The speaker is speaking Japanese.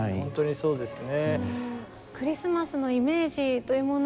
そうですね。